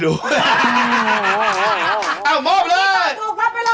หนูคิดต่อสู๊บเข้าไปเลย๑๐๐๐บาท